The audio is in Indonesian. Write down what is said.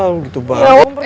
lo gitu banget